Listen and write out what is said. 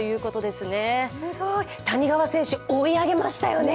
すごい、谷川選手、追い上げましたよね。